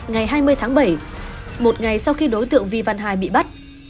ngày hai mươi tháng bảy một ngày sau khi đối tượng vi văn hải bị bắt